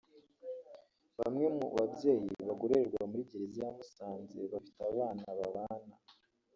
Bamwe mu babyeyi bagororerwa muri Gereza ya Musanze bafite abana babana